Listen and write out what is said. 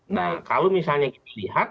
nah kalau misalnya kita lihat